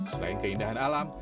selain keindahan alam